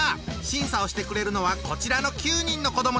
審査をしてくれるのはこちらの９人の子どもたち！